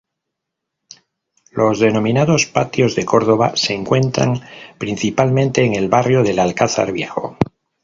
Los denominados Patios de Córdoba se encuentran principalmente en el barrio del Alcázar Viejo.